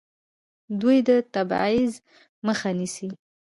دوی د تبعیض مخه نیسي.